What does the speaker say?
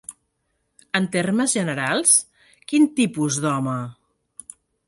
En termes generals, quin tipus d'home?